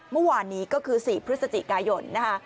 เมื่อวานนี้ก็คือ๔พฤศจิกายนนะคะ